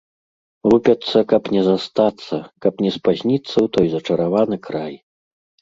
Рупяцца, каб не застацца, каб не спазніцца ў той зачараваны край.